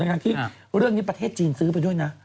ทั้งที่เรื่องนี้ประเทศจีนซื้อไปด้วยนะ